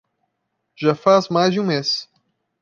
Já faz mais de um mês